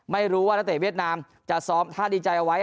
ไม่รู้ว่านักเตะเวียดนามจะซ้อมท่าดีใจเอาไว้